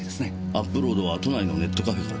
アップロードは都内のネットカフェからでした。